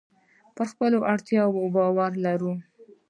پر خپلو وړتیاو باور ولرئ.